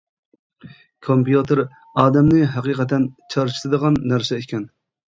كومپيۇتېر ئادەمنى ھەقىقەتەن چارچىتىدىغان نەرسە ئىكەن.